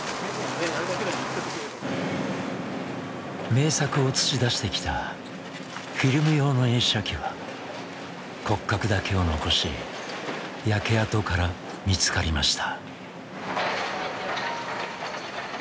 名作を映し出してきたフィルム用の映写機は骨格だけを残し焼け跡から見つかりました。